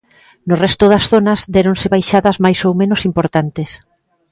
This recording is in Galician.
No resto das zonas déronse baixadas máis ou menos importantes.